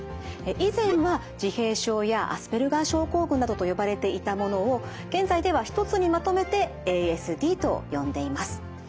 以前は自閉症やアスペルガー症候群などと呼ばれていたものを現在では一つにまとめてＡＳＤと呼んでいます。